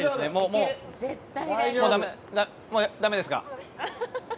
もうだめですか？